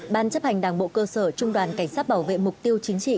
ban chấp hành đảng bộ cơ sở trung đoàn cảnh sát bảo vệ mục tiêu chính trị